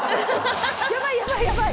やばいやばいやばい！